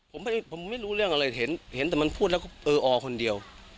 ผมไม่รู้เรื่องอะไรเห็นแต่มันพูดแล้วก็เอออคนเดียว